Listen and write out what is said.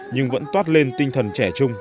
nhưng vẫn toát lên tinh thần trẻ trung